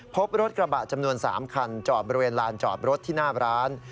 พบรถกระบะจำนวน๓คันจอดบริเวณลานจอดรถที่หน้าร้าน